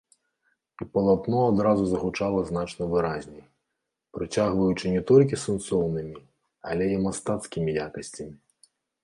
І палатно адразу загучала значна выразней, прыцягваючы не толькі сэнсоўнымі, але і мастацкімі якасцямі.